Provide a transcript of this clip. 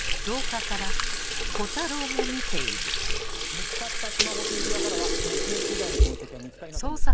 見つかったスマホと指輪からは持ち主以外の痕跡は見つかりませんでした。